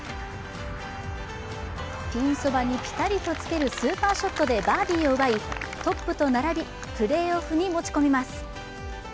ピンそばにピタリとつけるスーパーショットでバーディーを奪い、トップと並びプレーオフに持ち込みます。